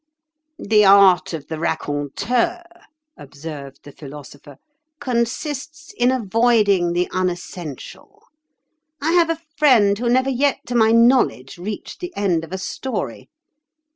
"The art of the raconteur," observed the Philosopher, "consists in avoiding the unessential. I have a friend who never yet to my knowledge reached the end of a story.